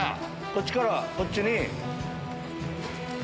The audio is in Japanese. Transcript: こっちからこっちに。